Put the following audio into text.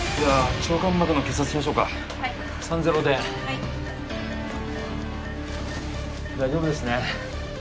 腸間膜の結紮しましょうか３−０ではい大丈夫ですね